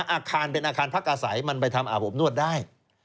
อาคารเป็นอาคารพักอาศัยมันไปทำอาบอบนวดได้